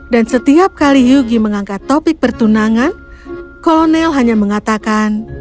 dan setiap kali hyuji mengangkat topik pertunangan kolonel hanya mengatakan